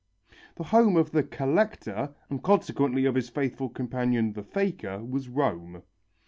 The home of the "collector," and consequently of his faithful companion, the faker, was Rome.